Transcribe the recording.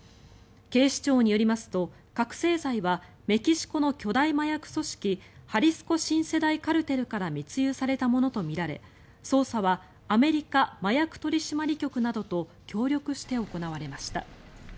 警視庁によりますと覚醒剤はメキシコの巨大麻薬組織ハリスコ新世代カルテルから密輸されたものとみられ捜査はアメリカ麻薬取締局などと協力して行われました。